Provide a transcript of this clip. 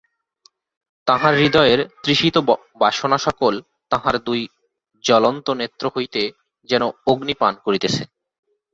তাঁহার হৃদয়ের তৃষিত বাসনাসকল তাঁহার দুই জ্বলন্ত নেত্র হইতে যেন অগ্নি পান করিতেছে।